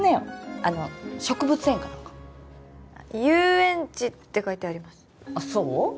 あの植物園か何か遊園地って書いてありますあっそう？